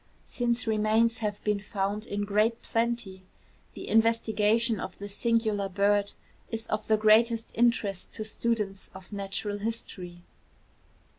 Since remains have been found in great plenty, the investigation of this singular bird is of the greatest interest to students of natural history.